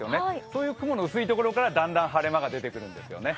そういう雲の薄いところからだんだん晴れ間が出てくるんです。